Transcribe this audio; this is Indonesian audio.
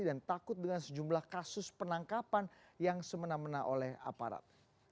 dan takut dengan sejumlah kasus penangkapan yang semena mena oleh aparat